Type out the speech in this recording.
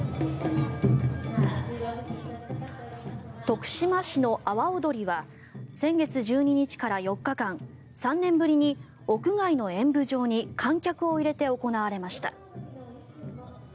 徳島市の阿波おどりは先月１２日から４日間３年ぶりに屋外の演舞場に観客を入れて行われました。